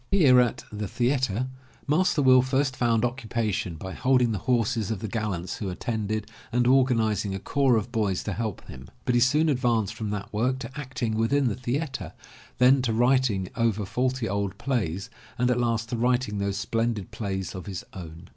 Here at The Theatre Master Will first found occupation by holding the horses of the gallants who attended, and organizing a corps of boys to help him. But he soon advanced from that work to acting within the theatre, then to writing over faulty old plays, and at last to writing those splendid plays of his own.